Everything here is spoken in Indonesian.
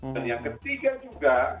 dan yang ketiga juga